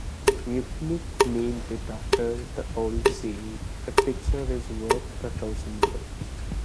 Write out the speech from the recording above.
Muchnick named it after the old saying "a picture is worth a thousand words".